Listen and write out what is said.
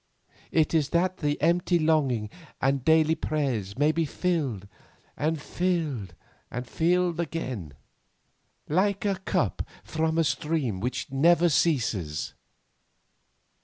It is that the empty longing and daily prayer may be filled, and filled, and filled again, like a cup from a stream which never ceases."